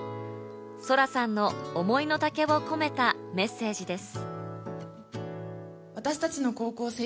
咲良さんの思いの丈を込めたメッセージです。